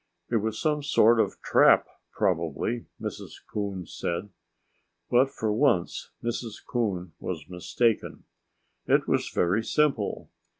"It was some sort of trap, probably," Mrs. Coon said. But for once Mrs. Coon was mistaken. It was very simple.